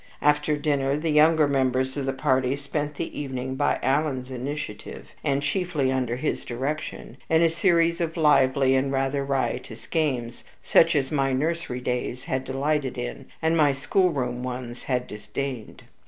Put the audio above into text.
After dinner the younger members of the party spent the evening by Alan's initiative, and chiefly under his direction, in a series of lively and rather riotous games such as my nursery days had delighted in, and my schoolroom ones had disdained.